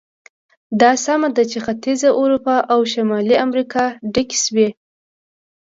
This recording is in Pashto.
دا سمه ده چې ختیځه اروپا او شمالي امریکا ډکې شوې.